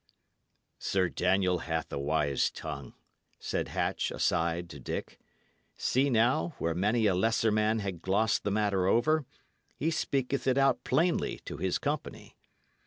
"Sir Daniel hath a wise tongue," said Hatch, aside, to Dick. "See, now, where many a lesser man had glossed the matter over, he speaketh it out plainly to his company.